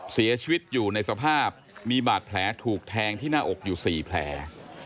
เสียชีวิตอยู่ในสภาพมีบาดแผลถูกแทงที่หน้าอกอยู่๔แผล